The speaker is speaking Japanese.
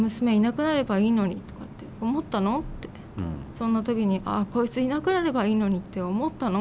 「そんな時にああこいついなくなればいいのにって思ったの？」